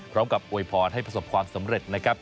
พร้อมกับอวยพรให้ประสบความสำเร็จนะครับ